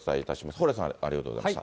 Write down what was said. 蓬莱さん、ありがとうございました。